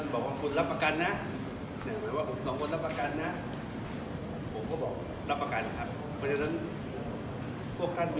บอกคุณรับประกันนะคุณสองคนรับประกันนะบอกผมรับประกันครับ